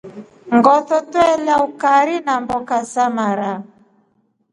Ngoto twelya ukari namboka za mara.